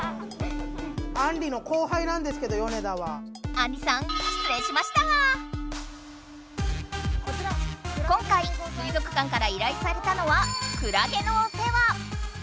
あんりさん今回水族館から依頼されたのはクラゲのお世話！